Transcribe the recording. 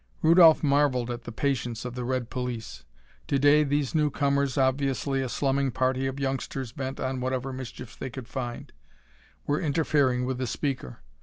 Rudolph marveled at the patience of the red police. To day, these newcomers, obviously a slumming party of youngsters bent on whatever mischief they could find, were interfering with the speaker.